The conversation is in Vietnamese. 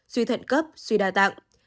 suy thận cấp suy đa tạng